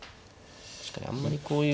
確かにあんまりこういう。